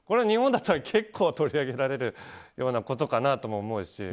日本だったら結構取り上げられるようなことかなとも思うし。